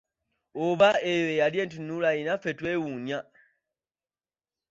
Oba eyo ye yali entunula ye naffe twewuunya!